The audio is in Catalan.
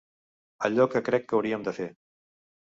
Allò que crec que hauríem de fer.